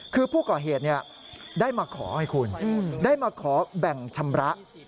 คือผู้ก่อเหตุได้มาขอให้คุณได้มาขอแบ่งชำระ